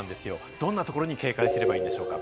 どんなところに警戒すればいいんでしょうか。